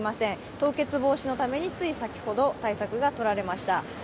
凍結防止のためについ先ほど対策がとられました。